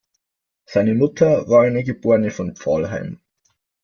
Seine Mutter war eine geborene von Pfahlheim.